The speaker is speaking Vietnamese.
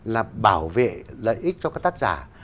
là bảo vệ lợi ích cho các tác giả